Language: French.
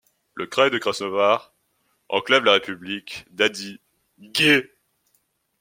Le kraï de Krasnodar enclave la république d'Adyguée.